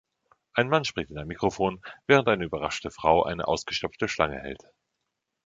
Ein Mann spricht in ein Mikrofon, während eine überraschte Frau eine ausgestopfte Schlange hält.